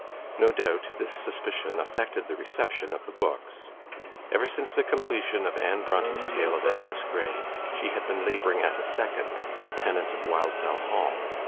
No doubt, this suspicion affected the reception of the books. Ever since the completion of Anne Brontë's tale of "Agnes Grey", she had been labouring at a second, "The Tenant of Wildfell Hall."